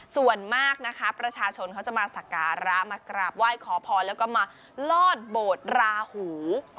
ส่วนมากนะคะประชาชนเขาจะมาสักการะมากราบไหว้ขอพรแล้วก็มาลอดโบสถ์ราหู